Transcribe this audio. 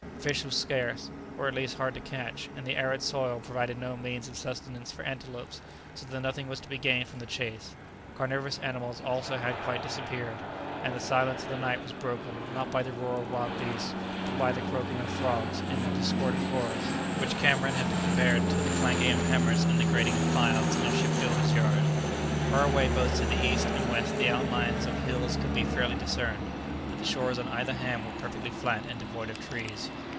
Fish was scarce, or at least hard to catch, and the arid soil provided no means of sustenance for antelopes, so that nothing was to be gained from the chase. Carnivorous animals also had quite disappeared, and the silence of the night was broken, not by the roar of wild beasts, but by the croaking of frogs in a discordant chorus, which Cameron has compared to the clanking of hammers and the grating of files in a ship builder's yard. Far away both to the east and west the outlines of hills could be faintly discerned, but the shores on either hand were perfectly flat and devoid of trees.